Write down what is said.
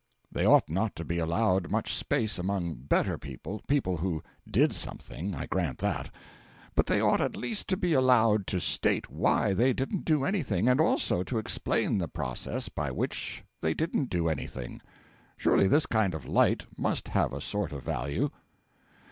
They ought not to be allowed much space among better people people who did something I grant that; but they ought at least to be allowed to state why they didn't do anything, and also to explain the process by which they didn't do anything. Surely this kind of light must have a sort of value.